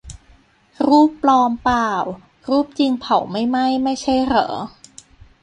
"รูปปลอมป่าว รูปจริงเผาไม่ไหม้ไม่ใช่เหรอ"